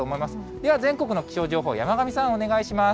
では全国の気象情報、山神さん、お願いします。